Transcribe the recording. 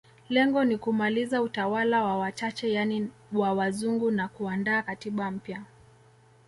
Lengo ni kumaliza utawala wa wachache yani wa wazungu na kuandaa katiba mpya